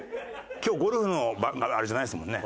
今日ゴルフのあれじゃないですもんね。